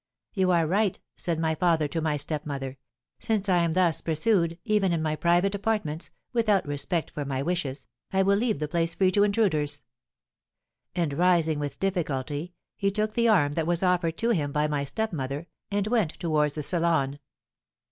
"'You are right,' said my father to my stepmother. 'Since I am thus pursued, even in my private apartments, without respect for my wishes, I will leave the place free to intruders.' And rising with difficulty, he took the arm that was offered to him by my stepmother, and went towards the salon.